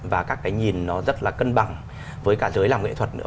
và các cái nhìn nó rất là cân bằng với cả giới làm nghệ thuật nữa